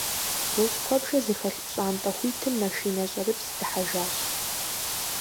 ГъущӀ куэбжэ зыхэлъ пщӀантӀэ хуитым машинэ щӀэрыпс дыхьэжащ.